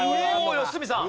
良純さん